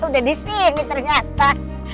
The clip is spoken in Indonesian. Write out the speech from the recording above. udah disini ternyata